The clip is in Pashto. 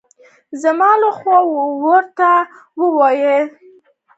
زما له خوا ورته ووایاست.